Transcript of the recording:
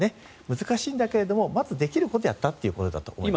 難しいんだけれどもまずできることをやったということだと思います。